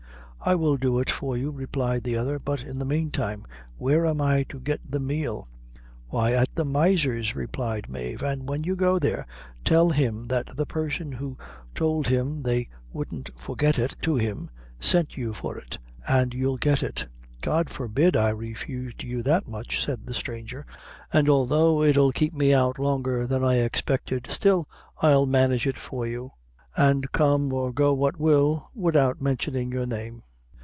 "I will do it for you," replied the other; "but in the meantime where am I to get the meal?" "Why, at the miser's," replied Mave; "and when you go there, tell him that the person who told him they wouldn't forget it to him, sent you for it, an' you'll get it." "God forbid I refused you that much," said the stranger; "an' although it'll keep me out longer than I expected, still I'll manage it for you, an' come or go what will, widout mentioning your name."